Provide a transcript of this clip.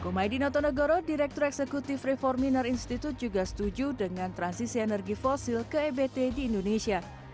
komaedinato nagoro direktur eksekutif reform miner institute juga setuju dengan transisi energi fosil ke ebt di indonesia